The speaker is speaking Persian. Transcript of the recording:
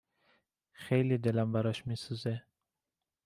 خیلی دلم براش می سوزه